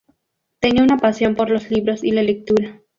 Tenía una pasión por los libros y la lectura.